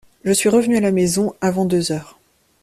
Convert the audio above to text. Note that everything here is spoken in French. Je suis revenu à la maison avant deux heures.